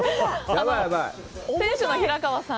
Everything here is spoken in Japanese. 店主の平川さん